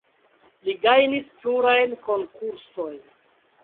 Li gajnis plurajn konkursojn.